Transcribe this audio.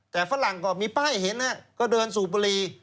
แต่ฝรั่งก็มีป้ายเห็นก็เดินสูบบุรี